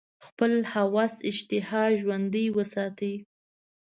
خپل هوس اشتها ژوندۍ وساتي.